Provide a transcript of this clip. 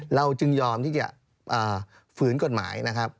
เราจึงยอมที่จะฝืนกฎหมายนะครับ